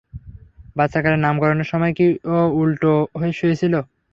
বাচ্চাকালে নামকরণের সময় কি ও উল্টা হয়ে শুয়ে ছিল?